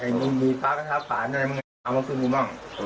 ไม่อยู่แหละมีว่าน้ำแผ้งผาดนั้นยังไงข้ามมาซึงกูบ้าง